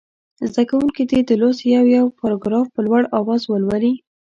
زده کوونکي دې د لوست یو یو پاراګراف په لوړ اواز ولولي.